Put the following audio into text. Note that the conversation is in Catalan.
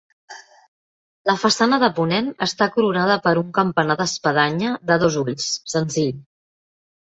La façana de ponent està coronada per un campanar d'espadanya de dos ulls, senzill.